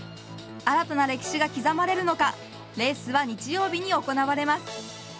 新たな歴史が刻まれるのかレースは日曜日に行われます。